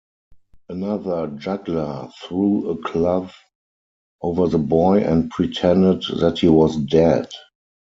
Another juggler threw a cloth over the boy and pretended that he was dead.